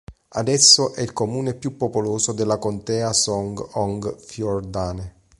Adesso è il comune più popoloso della contea Sogn og Fjordane.